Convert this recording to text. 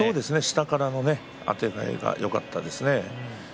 下からのあてがいがよかったですね。